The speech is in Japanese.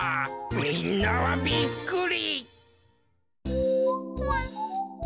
みんなはびっくり。